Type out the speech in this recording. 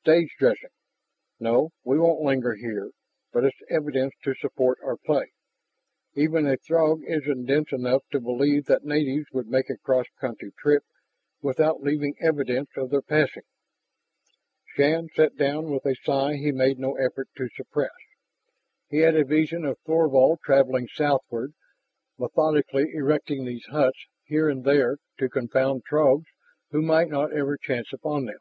"Stage dressing. No, we won't linger here. But it's evidence to support our play. Even a Throg isn't dense enough to believe that natives would make a cross country trip without leaving evidence of their passing." Shann sat down with a sigh he made no effort to suppress. He had a vision of Thorvald traveling southward, methodically erecting these huts here and there to confound Throgs who might not ever chance upon them.